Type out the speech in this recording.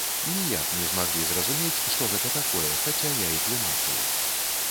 Ніяк не змаглі зразумець, што гэта такое, хаця я і тлумачыў.